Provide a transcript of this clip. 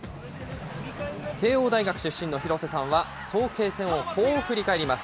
慶応大学出身の廣瀬さんは、早慶戦をこう振り返ります。